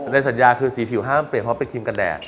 ในสัญญาคือสีผิวห้ามเปลี่ยนเพราะเป็นครีมกันแดด